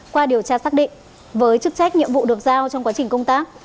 qua điều tra xác định với chức trách nhiệm vụ được giao trong quá trình công tác